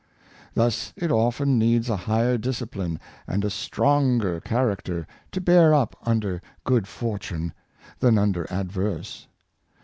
Thus it often needs a higher discipline and a stronger character to bear up under good fortune than under adverse.